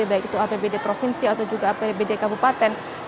baik itu apbd provinsi atau juga apbd kabupaten